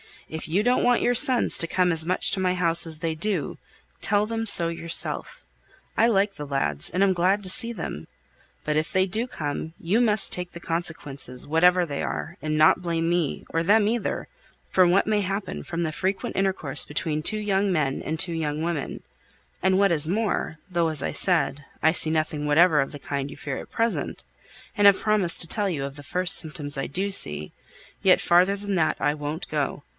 If you don't want your sons to come as much to my house as they do, tell them so yourself. I like the lads, and am glad to see them; but if they do come, you must take the consequences, whatever they are, and not blame me, or them either, for what may happen from the frequent intercourse between two young men and two young women; and what is more, though, as I said, I see nothing whatever of the kind you fear at present, and have promised to tell you of the first symptoms I do see, yet farther than that I won't go.